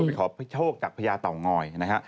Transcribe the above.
เพื่อไปขอโชคกับพระยาเต๋อง้อยนะฮะ